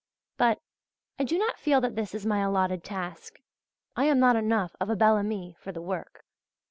But I do not feel that this is my allotted task I am not enough of a "Bel Ami" for the work.